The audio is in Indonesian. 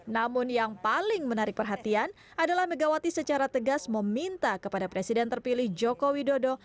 namun yang paling menarik perhatian adalah megawati secara tegas meminta kepada presiden terpilih joko widodo